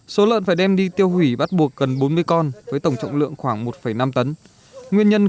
số lợn phải đem đi tiêu hủy bắt buộc gần bốn mươi con với tổng trọng lượng khoảng một năm tấn